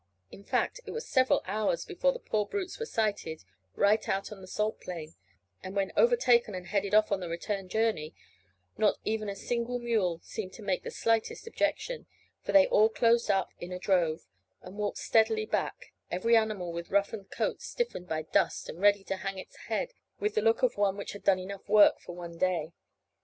In fact, it was several hours before the poor brutes were sighted right out on the salt plain, and when overtaken and headed off on the return journey, not even a single mule seemed to make the slightest objection, for they all closed up into a drove and walked steadily back, every animal with roughened coat stiffened by dust and ready to hang its head with the look of one which had done enough work for one day.